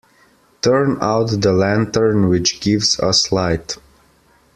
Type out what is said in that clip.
Turn out the lantern which gives us light.